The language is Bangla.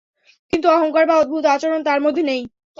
কিন্তু অহংকার বা অদ্ভুত আচরণ তার মধ্যে নেই।